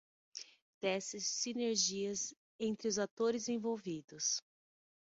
Tece sinergias entre os atores envolvidos.